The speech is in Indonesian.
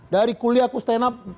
dari kuliah aku stand up